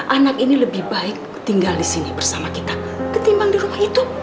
anak ini lebih baik tinggal di sini bersama kita ketimbang di rumah itu